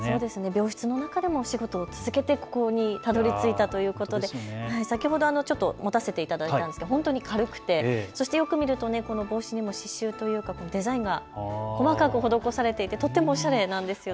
病室の中でも仕事を続けてここにたどりついたということで先ほどちょっと持たせていただいたんですけど本当に軽くて、そしてよく見ると帽子にも刺しゅうというかデザインが細かく施されていてとってもおしゃれなんです。